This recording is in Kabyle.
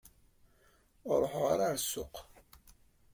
Ur ruḥeɣ ara ɣer ssuq.